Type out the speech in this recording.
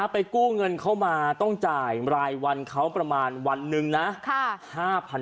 ไปกู้เงินเข้ามาต้องจ่ายรายวันเขาประมาณวันหนึ่งนะ